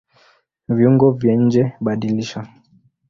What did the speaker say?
Viungo vya njeBadilisha